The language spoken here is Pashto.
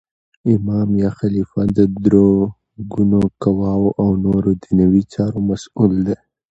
امام یا خلیفه د درو ګونو قوواو او نور دنیوي چارو مسول دی.